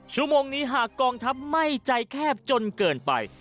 ชั่วโมงนี้หากกองทัพไม่ใจแคบจนเกินไป